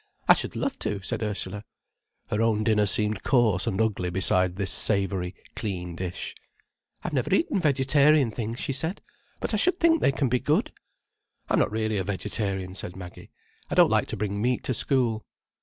"I should love to," said Ursula. Her own dinner seemed coarse and ugly beside this savoury, clean dish. "I've never eaten vegetarian things," she said, "But I should think they can be good." "I'm not really a vegetarian," said Maggie, "I don't like to bring meat to school."